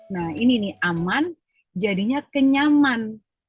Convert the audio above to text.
nah ini nih aman jadinya kenyaman